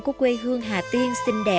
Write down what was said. của quê hương hà tiên